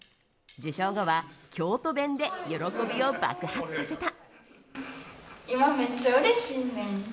受賞後は京都弁で喜びを爆発させた。